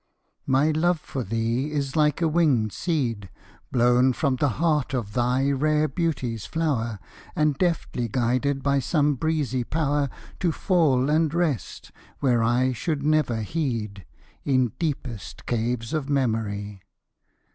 My love for thee is like a winged seed Blown from the heart of thy rare beauty's flower, And deftly guided by some breezy power To fall and rest, where I should never heed, In deepest caves of memory.